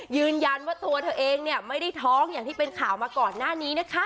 ยืนยันว่าตัวเธอเองเนี่ยไม่ได้ท้องอย่างที่เป็นข่าวมาก่อนหน้านี้นะคะ